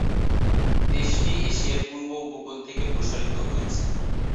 দেশটি এশিয়ার পূর্ব উপকূল থেকে প্রসারিত হয়েছে।